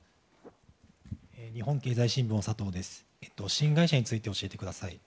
新会社について教えてください。